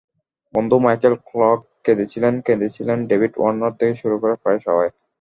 বন্ধু Michael Clarke কেঁদেছিলেন, কেঁদেছিলেন ডেভিড ওয়ার্নার থেকে শুরু করে প্রায় সবাই।